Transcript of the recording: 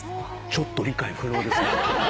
ちょっと理解不能ですね。